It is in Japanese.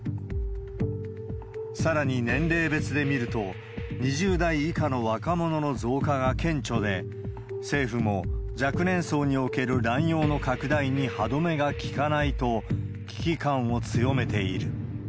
さらに年齢別で見ると、２０代以下の若者の増加が顕著で、政府も若年層における乱用の拡大に歯止めが利かないと、危機感を強めている。